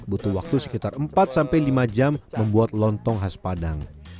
butuh waktu sekitar empat sampai lima jam membuat lontong khas padang